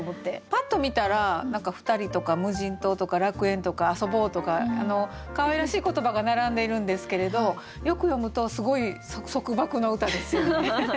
パッと見たら何か「二人」とか「無人島」とか「楽園」とか「遊ぼう」とかかわいらしい言葉が並んでいるんですけれどよく読むとすごい束縛の歌ですよね。